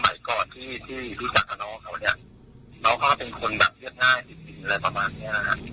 สมัยก่อนที่พี่สัตว์กับน้องเขาเนี่ยน้องเขาก็เป็นคนแบบเลือดหน้าอย่างจริงอะไรประมาณนี้นะครับ